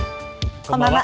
こんばんは。